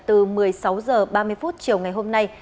từ một mươi sáu h ba mươi chiều ngày hôm nay